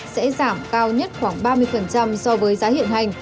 sẽ giảm cao nhất khoảng ba mươi so với giá hiện hành